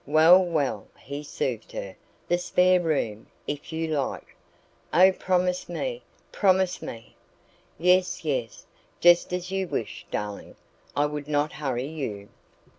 "Well, well," he soothed her; "the spare room, if you like " "Oh, promise me promise me !" "Yes, yes; just as you wish, darling. I would not hurry you."